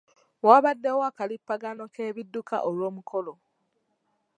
Wabaddewo akalipaggano k'ebidduka olw'omukolo.